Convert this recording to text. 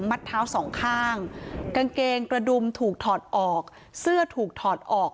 เท้าสองข้างกางเกงกระดุมถูกถอดออกเสื้อถูกถอดออก